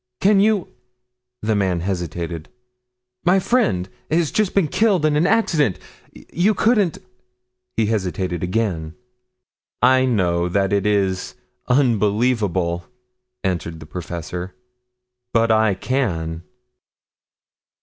"Can you ?" the man hesitated. "My friend has just been killed in an accident. You couldn't " he hesitated again. "I know that it is unbelievable," answered the professor. "But I can."